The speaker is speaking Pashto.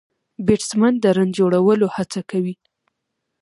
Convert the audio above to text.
بيټسمېن د رن جوړولو هڅه کوي.